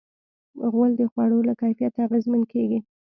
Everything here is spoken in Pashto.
غول د خوړو له کیفیت اغېزمن کېږي.